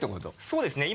そうですね。